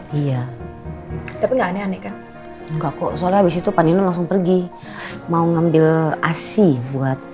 ya iya tapi nggak aneh aneh kan enggak kok soalnya habis itu paninu langsung pergi mau ngambil asyik buat